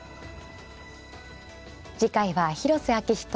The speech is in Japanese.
次回は広瀬章人